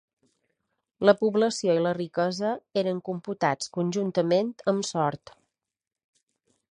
La població i la riquesa, eren computats conjuntament amb Sort.